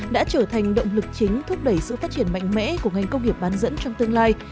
đã trở thành động lực chính thúc đẩy sự phát triển mạnh mẽ của ngành công nghiệp bán dẫn trong tương lai